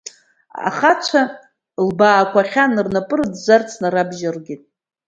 Ахацәа лалбаақәахьан, рнапы рыӡәӡәарц нарабжьаргеит.